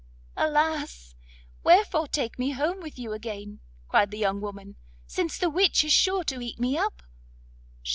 Alas! wherefore take me home with you again,' cried the young woman, 'since the witch is sure to eat me up?